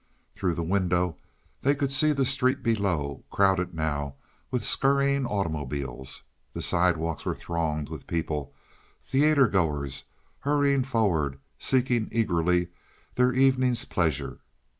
Through the window they could see the street below, crowded now with scurrying automobiles. The sidewalks were thronged with people theater goers, hurrying forward, seeking eagerly their evening's pleasure.